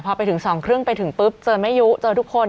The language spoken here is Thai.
พอไปถึงสองครึ่งไปถึงปุ๊บเจอไม่ยุจอทุกคน